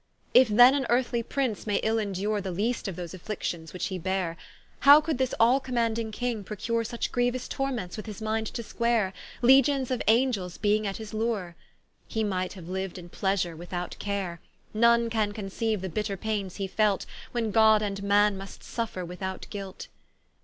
If then an earthly Prince may ill endure The least of those afflictions which he bare, How could this all commaunding King procure Such grieuous torments with his mind to square, Legions of Angells being at his Lure? He might haue liu'd in pleasure without care: None can conceiue the bitter paines he felt, When God and man must suffer without guilt.